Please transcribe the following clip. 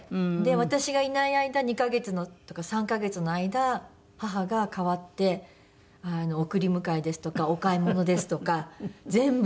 私がいない間２カ月とか３カ月の間母が代わって送り迎えですとかお買い物ですとか全部。